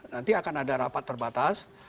nanti akan ada rapat terbatas